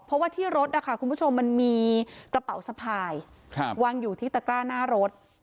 เพราะว่าที่รถนะคะคุณผู้ชมมันมีกระเป๋าสะพายวางอยู่ที่ตะกร้าหน้ารถ